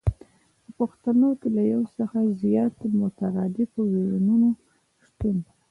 په پښتو کې له يو څخه زياتو مترادفو ويونو شتون